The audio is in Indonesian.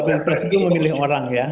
pilpres itu memilih orang ya